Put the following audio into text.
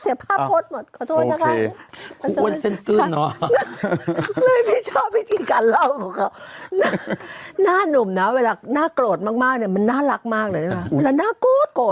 โแล้วหน้ากูดก่อน